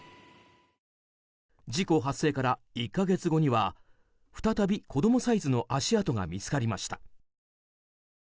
事故発生から１か月後には再び、子供サイズの足跡が見つかりました。